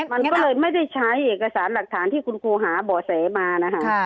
มันก็เลยไม่ได้ใช้เอกสารหลักฐานที่คุณครูหาบ่อแสมานะคะ